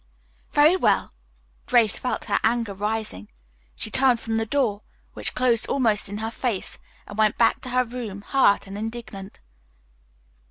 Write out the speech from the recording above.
"Very well." Grace felt her anger rising. She turned from the door, which closed almost in her face, and went back to her room hurt and indignant.